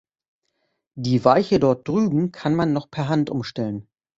Die Weiche dort drüben kann man noch per Hand umstellen.